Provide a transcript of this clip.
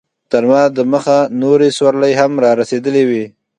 تر ما دمخه نورې سورلۍ هم رارسېدلې وې.